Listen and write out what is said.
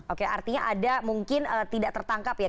oke artinya ada mungkin tidak tertangkap ya